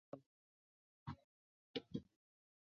谢臣生在易县一个贫苦农民家庭。